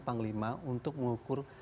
panglima untuk mengukur